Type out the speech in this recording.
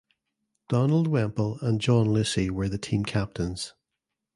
Donald Wemple and John Lucy were the team captains.